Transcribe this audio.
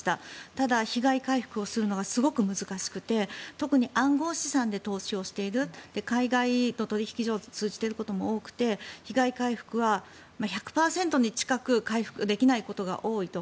ただ、被害回復をするのがすごく難しくて特に暗号資産で投資をしている海外の取引所を通じていることも多くて被害回復は１００％に近く回復できないことが多いと。